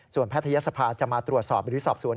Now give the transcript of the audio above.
แพทยศภาจะมาตรวจสอบหรือสอบสวน